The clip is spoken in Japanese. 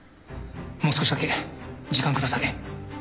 もう少しだけ時間下さい。